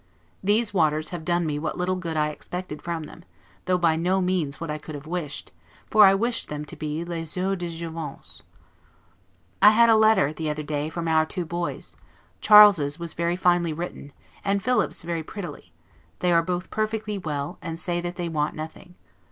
These waters have done me what little good I expected from them; though by no means what I could have wished, for I wished them to be 'les eaux de Jouvence'. I had a letter, the other day, from our two boys; Charles' was very finely written, and Philip's very prettily: they are perfectly well, and say that they want nothing.